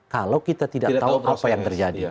kalau kita tidak tahu apa yang terjadi